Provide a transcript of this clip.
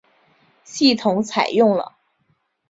系统采用了。